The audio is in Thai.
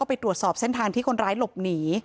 ไปตรวจสอบเส้นทางที่คนร้ายหลบหนี